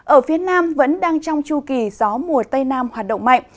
ở phía nam vẫn đang trong chu kỳ gió mùa tây nam hoạt động mạnh